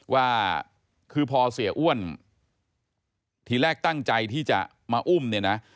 ว่าคือพอเสียอ้วนทีแรกตั้งใจที่จะมาอุ้มเนี่ยนะ